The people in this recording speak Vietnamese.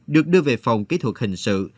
được đưa về phòng kỹ thuật hình sự